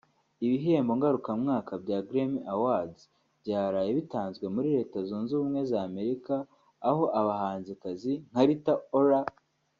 Ibihembo ngarukamwaka bya Grammy Awards byaraye bitanzwe muri Leta Zunze Ubumwe z’Amerika aho abahanzikazi nka Rita Ola